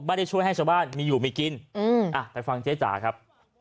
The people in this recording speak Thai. ไม่ได้ช่วยให้ชาวบ้านมีอยู่มีกินอืมอ่าไปฟังเจ๊จ๋าครับ